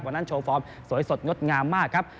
วันนั้นโชว์ฟอร์มสวยสดงดงามมากครับ